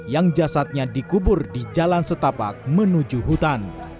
yang jasadnya dikubur di jalan setapak menuju hutan